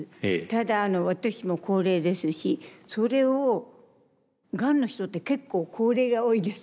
ただ私も高齢ですしそれをがんの人って結構高齢が多いですよね。